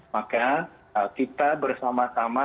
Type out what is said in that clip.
maka kita bersama sama